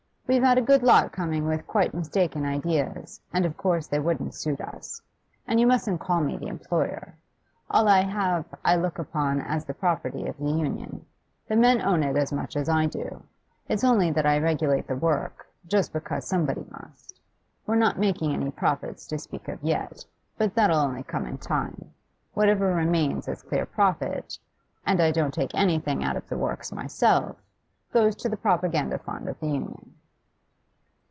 We've had a good lot coming with quite mistaken ideas, and of course they wouldn't suit us. And you mustn't call me the employer. All I have I look upon as the property of the Union; the men own it as much as I do. It's only that I regulate the work, just because somebody must. We're not making any profits to speak of yet, but that'll only come in time; whatever remains as clear profit, and I don't take anything out of the works myself goes to the Propaganda fund of the Union.